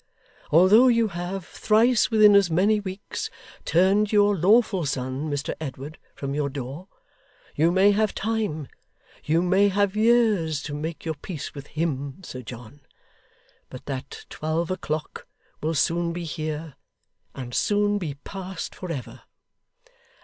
Although you have, thrice within as many weeks, turned your lawful son, Mr Edward, from your door, you may have time, you may have years to make your peace with HIM, Sir John: but that twelve o'clock will soon be here, and soon be past for ever.